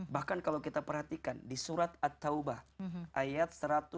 bahkan kalau kita perhatikan di surat at taubah ayat satu ratus tujuh puluh